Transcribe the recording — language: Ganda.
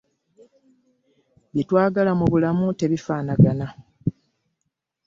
Bye twagala mu bulamu tebifaanagana.